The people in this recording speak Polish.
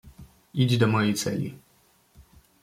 "Idź do mojej celi!"